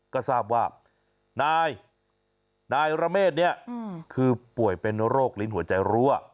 ก็ทราบว่านายระเมฆเนี่ยคือป่วยเป็นโรคลิ้นหัวใจรั่ว